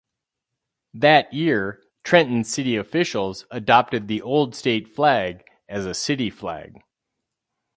That year, Trenton city officials adopted the old state flag as a city flag.